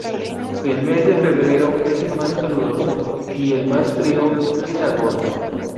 El mes de febrero es el más caluroso y el más frío es agosto.